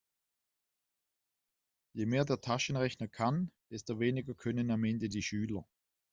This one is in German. Je mehr der Taschenrechner kann, desto weniger können am Ende die Schüler.